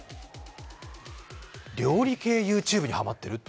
料理系ＹｏｕＴｕｂｅにはまってる？